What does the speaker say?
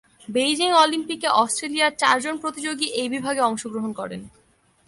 Beijing অলিম্পিকে অস্ট্রেলিয়ার চারজন প্রতিযোগী এই বিভাগে অংশগ্রহণ করেন।